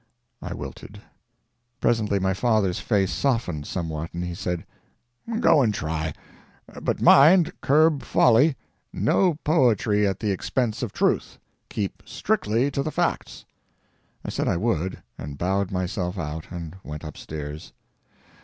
I wilted. Presently my father's face softened somewhat, and he said: "Go and try. But mind, curb folly. No poetry at the expense of truth. Keep strictly to the facts." I said I would, and bowed myself out, and went upstairs.